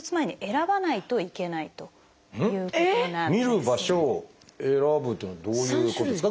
見る場所を選ぶというのはどういうことですか？